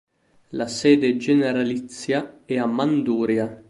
La sede generalizia è a Manduria.